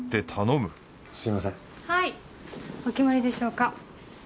お決まりでしょうか？